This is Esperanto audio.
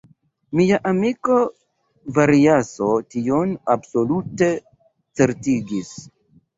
Mia amiko Variaso tion absolute certigis.